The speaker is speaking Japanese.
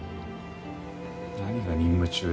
何が任務中だよ。